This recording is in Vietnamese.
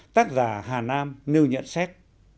tác giả hà nam nêu nhận xét